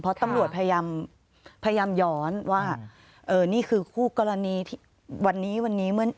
เพราะตำรวจพยายาม